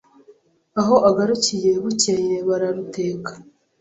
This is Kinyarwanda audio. Aho agarukiye bukeye bararuteka,